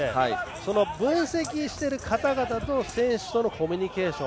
その分析している方々と選手とのコミュニケーション